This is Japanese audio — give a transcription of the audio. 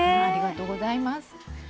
ありがとうございます。